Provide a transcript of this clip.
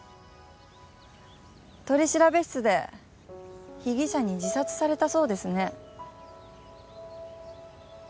取調室で被疑者に自殺されたそうですね。